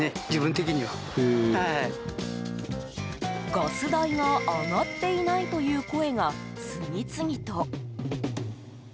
ガス代が上がっていないという声が次々と。